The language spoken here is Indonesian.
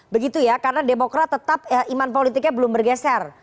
begitu ya karena demokrat tetap iman politiknya belum bergeser